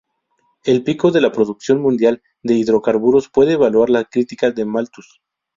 El pico de la producción mundial de hidrocarburos puede evaluar la crítica de Malthus.